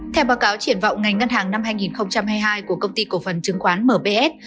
theo báo cáo triển vọng ngành ngân hàng năm hai nghìn hai mươi hai của công ty cổ phần chứng khoán mbs